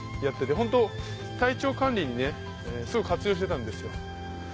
ホント体調管理にねすごい活用してたんですよ。